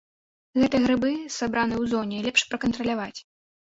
Гэтыя грыбы, сабраныя ў зоне, лепш пракантраляваць.